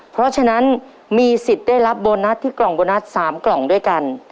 เพราะฉะนั้นมีสิทธิ์ได้รับโบนัสที่กล่องโบนัส๓กล่องด้วยกัน